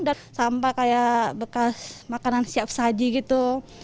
dan sampah kayak bekas makanan siap saji gitu